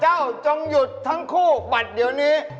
เจ้าต้องหยุดทั้งคู่บัดเดี๋ยวนี้